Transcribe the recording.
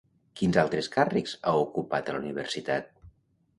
Quins altres càrrecs ha ocupat a la universitat?